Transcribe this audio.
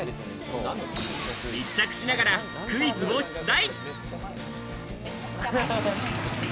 密着しながらクイズを出題。